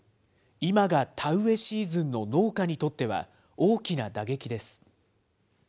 今が田植えシーズンの農家にとっては大きな打撃です。